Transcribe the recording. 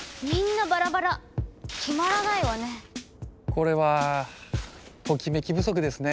これはトキメキ不足ですね。